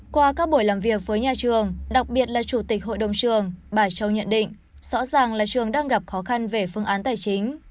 qua các buổi làm việc với nhà trường đặc biệt là chủ tịch hội đồng trường bà châu nhận định rõ ràng là trường đang gặp khó khăn về phương án tài chính